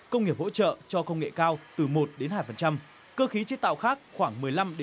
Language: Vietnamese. công nghiệp hỗ trợ cho công nghệ cao từ một hai cơ khí chế tạo khác khoảng một mươi năm ba mươi